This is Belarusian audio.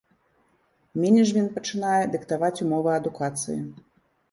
Менеджмент пачынае дыктаваць умовы адукацыі.